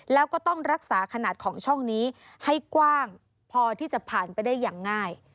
แล้วก็ต้องรักษาขนาดของช่องนี้ให้กว้างพอที่จะผ่านไปได้อย่างง่าย